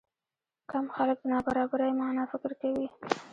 کم خلک د نابرابرۍ معنی فکر کوي.